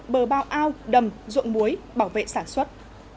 bờ bao ao đầm ruộng muối bảo vệ sản xuất